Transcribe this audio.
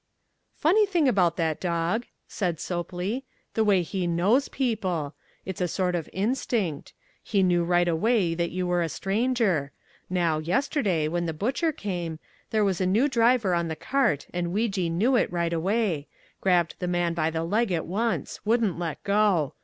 "Funny thing about that dog," said Sopley, "the way he KNOWS people. It's a sort of instinct. He knew right away that you were a stranger, now, yesterday, when the butcher came, there was a new driver on the cart and Weejee knew it right away, grabbed the man by the leg at once, wouldn't let go.